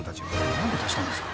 ［何で足したんですか］